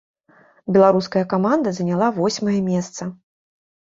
Беларуская каманда заняла восьмае месца.